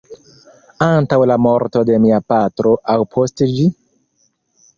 Antaŭ la morto de mia patro aŭ post ĝi?